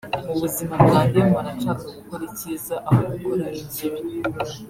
Mu buzima bwanjye mpora nshaka gukora icyiza aho gukora ikibi